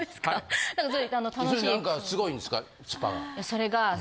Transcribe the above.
それが。